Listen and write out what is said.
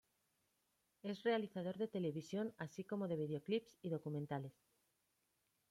Es realizador de televisión así como de videoclips y documentales.